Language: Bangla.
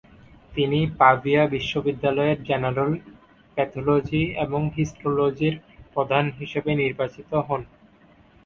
তিনি পাভিয়া বিশ্ববিদ্যালয়ের জেনারেল প্যাথলজি এবং হিস্টোলজির প্রধান হিসাবে নির্বাচিত হন।